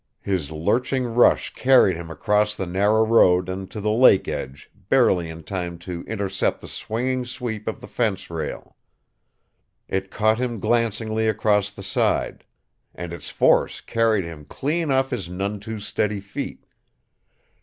His lurching rush carried him across the narrow road and to the lake edge, barely in time to intercept the swinging sweep of the fence rail. It caught him glancingly across the side. And its force carried him clean off his none too steady feet.